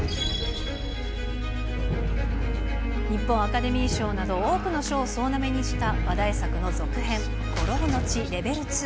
日本アカデミー賞など、多くの賞を総なめにした話題作の続編、孤狼の血レベル２。